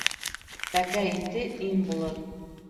Тәкә ите им булыр